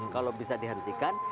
kalau bisa dihentikan